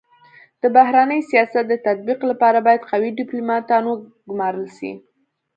د بهرني سیاست د تطبیق لپاره بايد قوي ډيپلوماتان و ګمارل سي.